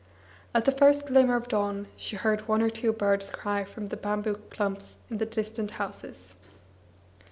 At the first glimmer of dawn she heard one or two birds cry from the bamboo clumps by the distant houses.